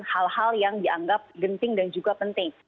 hal hal yang dianggap genting dan juga penting